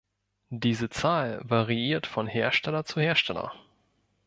Diese Zahl variiert von Hersteller zu Hersteller.